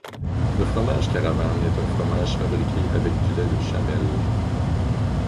Le fromage Caravane est un fromage fabriqué avec du lait de chamelle.